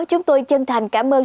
chúng tôi chân thành cảm ơn